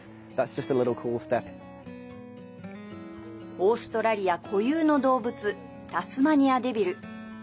オーストラリア固有の動物タスマニアデビル。